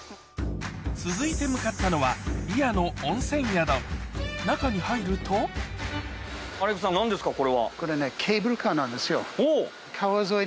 続いて向かったのは祖谷の温泉宿中に入るとおぉ！